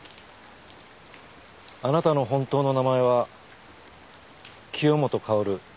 あなたの本当の名前は清本薫。